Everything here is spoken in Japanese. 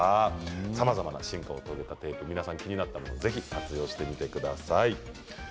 さまざまな進化を遂げたテープ気になったものを活用してください。